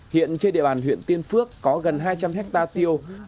hiện trên địa bàn huyện tiên phước có gần hai trăm linh hectare tiêu